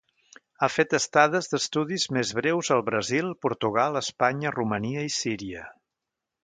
Ha fet estades d'estudis més breus al Brasil, Portugal, Espanya, Romania i Síria.